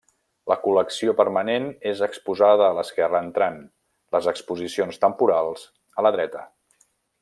La col·lecció permanent és exposada a l'esquerra entrant, les exposicions temporals a la dreta.